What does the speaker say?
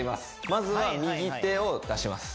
まずは右手を出します